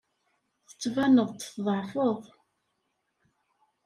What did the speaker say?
Tettbaneḍ-d tḍeɛfeḍ.